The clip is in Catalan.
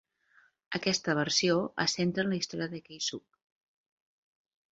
Aquesta versió es centra en la història de Keisuke.